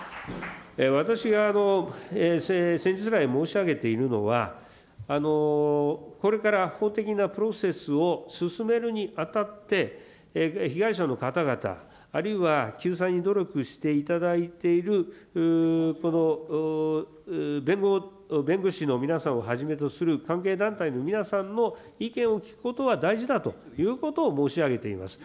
私が先日来申し上げているのは、これから法的なプロセスを進めるにあたって、被害者の方々、あるいは救済に努力していただいているこの弁護士の皆さんをはじめとする、関係団体の皆さんの意見を聞くことは大事だということを申し上げています。